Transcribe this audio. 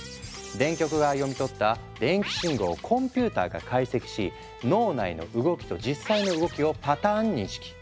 電極が読み取った電気信号をコンピューターが解析し脳内の動きと実際の動きをパターン認識。